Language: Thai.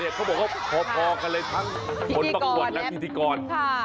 อะเด็กเนี่ยพอพองักกันเลยทั้งคนประกวดและพิธีกร